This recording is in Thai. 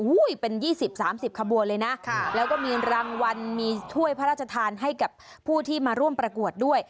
เป็น๒๐๓๐ขบวนเลยนะแล้วก็มีรางวัลมีถ้วยพระราชทานให้กับผู้ที่มาร่วมประกวดด้วย